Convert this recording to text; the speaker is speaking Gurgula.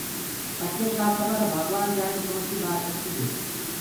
پڇي ڪآ کبر ڀگوآن جآڻي ڪوڻسي ٻآت سچي هي